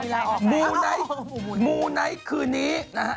แต่มันใช่ค่ะมูไนท์คืนนี้นะฮะ